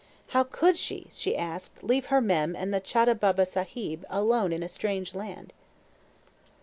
"How could she," she asked, "leave her Mem and the chota baba sahib alone in a strange land?"